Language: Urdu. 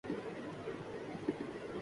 تو پھر زندگی دم توڑ دیتی ہے۔